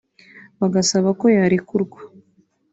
bagasaba ko yarekurwa